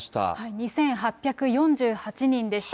２８４８人でした。